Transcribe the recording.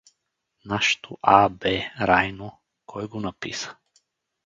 — Нашето А, Б, Райно, кой го написа?